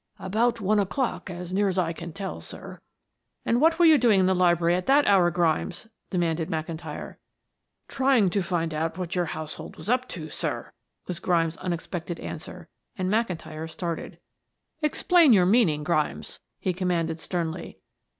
"About one o'clock, as near as I can tell, sir." "And what were you doing in the library at that hour, Grimes?" demanded McIntyre. "Trying to find out what your household was up to, sir," was Grimes' unexpected answer, and McIntyre started. "Explain your meaning, Grimes," he commanded sternly.